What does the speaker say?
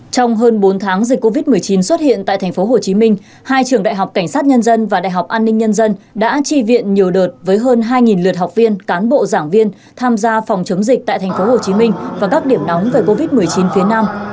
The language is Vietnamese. trong hơn bốn tháng dịch covid một mươi chín xuất hiện tại tp hcm hai trường đại học cảnh sát nhân dân và đại học an ninh nhân dân đã tri viện nhiều đợt với hơn hai lượt học viên cán bộ giảng viên tham gia phòng chống dịch tại tp hcm và các điểm nóng về covid một mươi chín phía nam